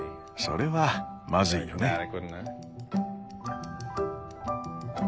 それはまずいよね。